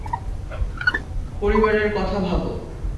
পরিবারের কথা ভাব।